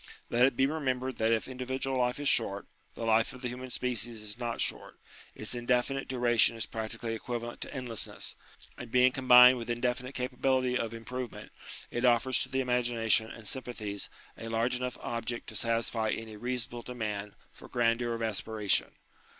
Let it be remembered that if individual life is short, the life of the human species is not short: its indefinite duration is practically ~7 equivalent to endlessness ; and being combined with indefinite capability of improvement, it offers to the imagination and sympathies a large enough object to satisfy any reasonable demand for grandeur of aspi ration.